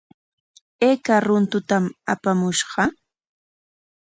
¿Ayka runtutam apamushqa?